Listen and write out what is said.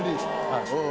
はい。